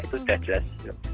itu sudah jelas